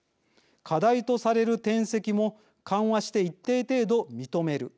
課題とされる転籍も緩和して一定程度、認める。